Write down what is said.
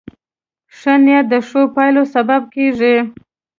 ښه نیت د ښو پایلو سبب کېږي.